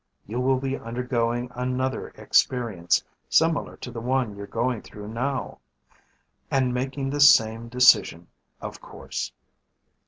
You will be undergoing another experience similar to the one you're going through now. And making the same decision, of course.